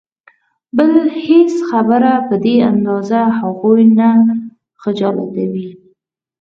بله هېڅ خبره په دې اندازه هغوی نه خجالتوي.